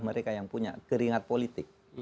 mereka yang punya keringat politik